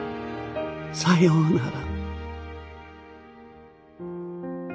さようなら。